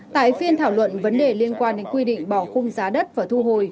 tại phiên thảo luận vấn đề liên quan đến quy định bỏ khung giá đất và thu hồi